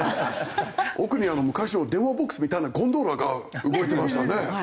奥に昔の電話ボックスみたいなゴンドラが動いてましたね。